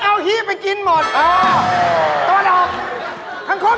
ทำไมพระอาทิตย์พูดไหวอย่างคังคล็อก